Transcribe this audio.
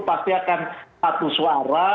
pasti akan satu suara